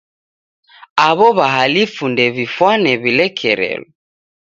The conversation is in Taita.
Aw'o w'ahalifu ndew'ifwane w'ilekerelo.